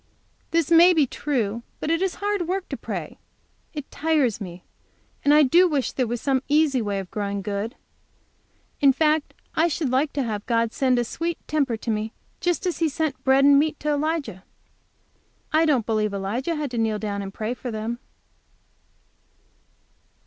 '" "This may be true, but it is hard work to pray. It tires me. And I do wish there was some easy way of growing good. In fact I should like to have God send a sweet temper to me just as He sent bread and meat to Elijah. I don't believe Elijah had to kneel down and pray for them."